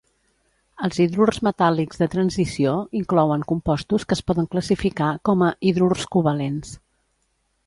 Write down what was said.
Els hidrurs metàl·lics de transició inclouen compostos que es poden classificar com a "hidrurs covalents".